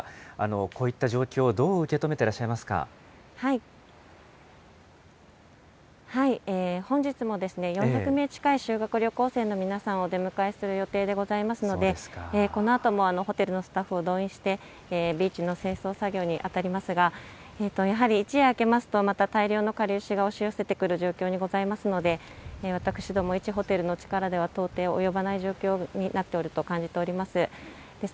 こういった状況、どう受け止めて本日もですね、４００名近い修学旅行生の皆さんをお出迎えする予定でございますので、このあともホテルのスタッフを動員して、ビーチの清掃作業に当たりますが、やはり一夜明けますと、また大量の軽石が押し寄せてくる状況にございますので、私ども一ホテルの力では到底及ばない状況になっておると感じております。